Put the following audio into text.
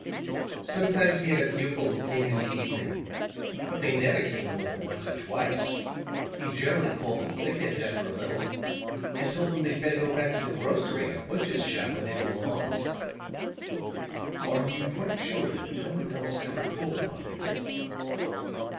"Sometimes he had a pupil who came in the evening. But they never came more than once or twice; he generally called them thick heads after a little, and told them they'd better go back to the grocery or butcher's shop where they belonged." "Are you quite sure that no one else ever called upon him?"